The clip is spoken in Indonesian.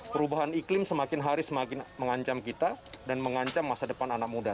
perubahan iklim semakin hari semakin mengancam kita dan mengancam masa depan anak muda